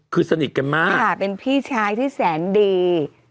คือสนิทกันมากค่ะเป็นพี่ชายที่แสนดี